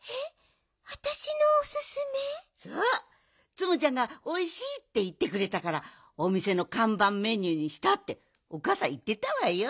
「ツムちゃんが『おいしい』っていってくれたからおみせのかんばんメニューにした」っておかあさんいってたわよ。